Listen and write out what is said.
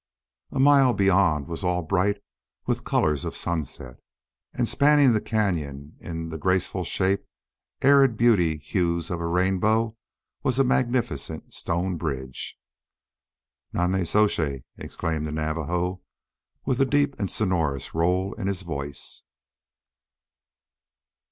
A mile beyond all was bright with the colors of sunset, and spanning the cañon in the graceful shape arid beautiful hues of a rainbow was a magnificent stone bridge. "Nonnezoshe!" exclaimed the Navajo, with a deep and sonorous roll in his voice.